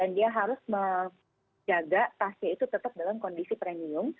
dan dia harus menjaga tasnya itu tetap dalam kondisi premium